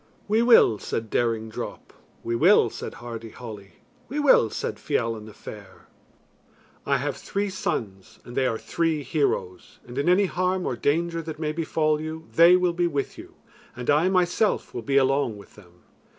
"We will," said Daring Drop. "We will," said Hardy Holly. "We will," said Fiallan the Fair. "I have three sons, and they are three heroes, and in any harm or danger that may befall you, they will be with you, and I myself will be along with them."